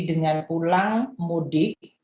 dengan pulang mudik